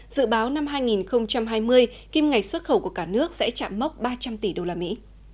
dự báo năm hai nghìn hai mươi kim ngạch xuất khẩu của cả nước sẽ chạm mốc ba trăm linh tỷ đô la mỹ